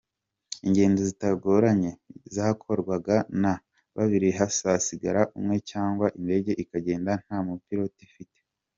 Ingendo zitagoranye zakorwaga na babiri hazasigara umwe cyangwa indege ikagenda nta mupilote ifite.